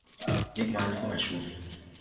یک مولف مشهور